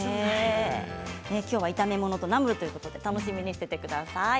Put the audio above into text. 今日は炒め物とナムルということで楽しみにしておいてください。